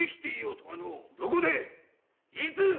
どこで⁉いつ⁉